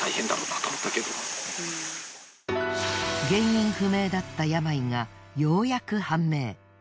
原因不明だった病がようやく判明。